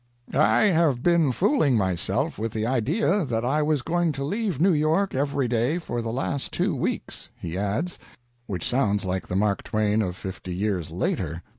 "I have been fooling myself with the idea that I was going to leave New York every day for the last two weeks," he adds, which sounds like the Mark Twain of fifty years later.